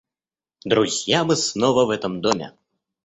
Друзья! мы снова в этом доме!